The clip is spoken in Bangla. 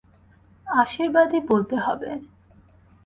আশীর্বাদই বলতে হবে।